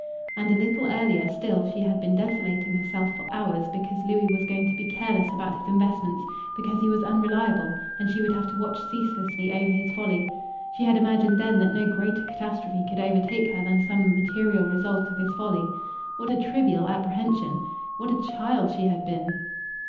And a little earlier still she had been desolating herself for hours because Louis was going to be careless about his investments, because he was unreliable and she would have to watch ceaselessly over his folly. She had imagined then that no greater catastrophe could overtake her than some material result of his folly!... What a trivial apprehension! What a child she had been!